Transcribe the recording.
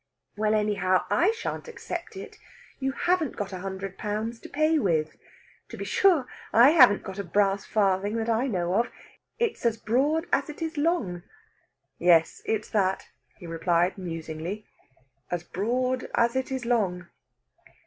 "Well, anyhow, I shan't accept it. You haven't got a hundred pounds to pay with. To be sure, I haven't got a brass farthing that I know of. It's as broad as it is long." "Yes, it's that," he replied musingly "as broad as it is long.